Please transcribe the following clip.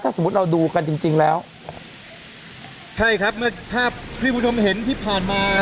สมมุติเราดูกันจริงจริงแล้วใช่ครับเมื่อภาพที่คุณผู้ชมเห็นที่ผ่านมา